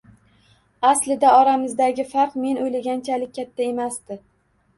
Aslida oramizdagi farq men o`ylaganchalik katta emasdi